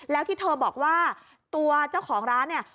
แล้วที่เธอบอกว่าตัวเจ้าของร้านเนี่ย